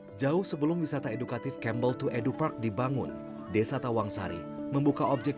hai jauh sebelum wisata edukatif campbell to edu park dibangun desa tawangsari membuka objek